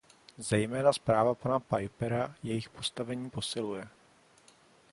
Zejména zpráva pana Piepera jejich postavení posiluje.